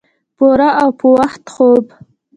پوره او پۀ وخت خوب